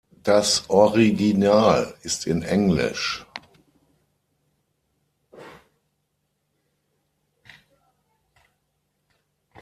Das Original ist in Englisch.